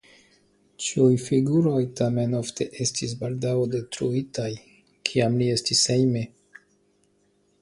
Tiuj figuroj tamen ofte estis baldaŭ detruitaj, kiam li estis hejme.